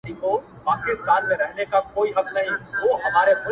صبر ته د سترګو مي مُغان راسره وژړل!.